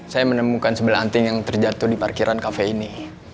saya menemukan sebelah anting yang terjatuh di parkiran kafe ini